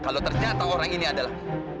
kalau ternyata orang ini adalah